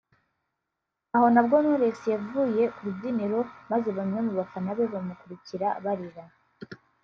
aho nabwo Knowless yavuye ku rubyiniro maze bamwe mu bafana be bamukurikira barira